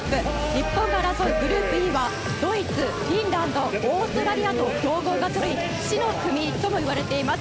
日本が争うグループＥはドイツ、フィンランドオーストラリアと強豪がそろい死の組ともいわれています。